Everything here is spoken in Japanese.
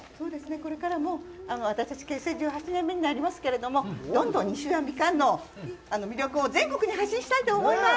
これからも私たち、結成１８年目になりますけども、どんどん西宇和みかんの魅力を全国に発信したいと思います！